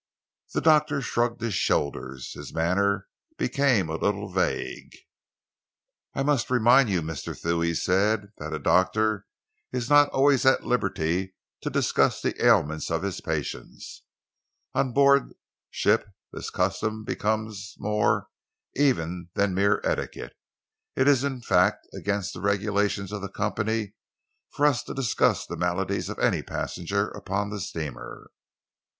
The doctor shrugged his shoulders. His manner became a little vague. "I must remind you, Mr. Thew," he said, "that a doctor is not always at liberty to discuss the ailments of his patients. On board ship this custom becomes more, even, than mere etiquette. It is, in fact, against the regulations of the company for us to discuss the maladies of any passenger upon the steamer."